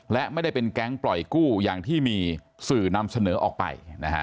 และไม่ได้เป็นแก๊งปล่อยกู้อย่างที่มีสื่อนำเสนอออกไป